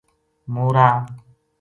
مورا